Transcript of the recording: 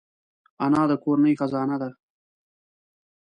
انا د کورنۍ خزانه ده